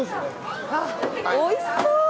おいしそう。